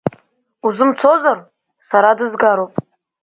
Узымцозар, сара дызгароуп.